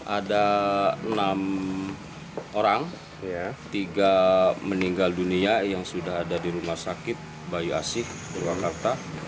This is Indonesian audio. ada enam orang tiga meninggal dunia yang sudah ada di rumah sakit bayu asih purwakarta